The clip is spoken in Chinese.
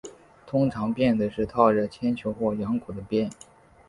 通常鞭子是套着铅球或羊骨的鞭。